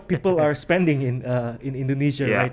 seperti apa yang orang orang berpengunang di indonesia sekarang